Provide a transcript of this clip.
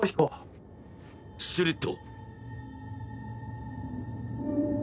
すると。